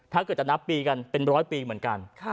ถ้าเกิดจะนับปีกันเป็นร้อยปีเหมือนกัน